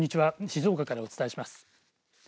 静岡からお伝えします。